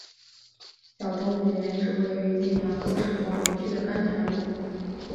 小东门原址位于今扬州市广陵区的甘泉路。